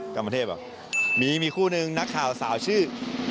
กรรมเทพอ่ะมีคู่นึงนักข่าวสาวชื่อ